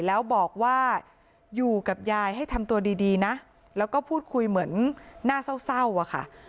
แล้วบอกว่าอยู่กับยายให้ทำตัวดีนะแล้วก็พูดคุยเหมือนน่าเศร้าอะค่ะ